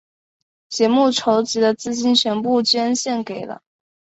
节目筹集的资金全部捐献给了。